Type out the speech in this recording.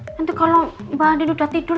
nanti kalo mbak anin udah tidur